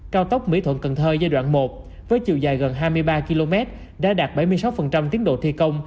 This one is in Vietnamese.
cao tốc mỹ thuận cần thơ giai đoạn một với chiều dài gần hai mươi ba km đã đạt bảy mươi sáu tiến độ thi công